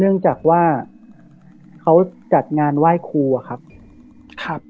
เนื่องจากว่าเขาจัดงานไหว้ครูอะครับครับ